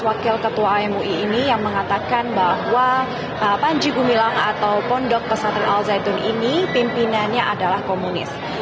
wakil ketua amui ini yang mengatakan bahwa panji gumilang atau pondok pesantren al zaitun ini pimpinannya adalah komunis